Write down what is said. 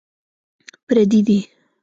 پردي دي.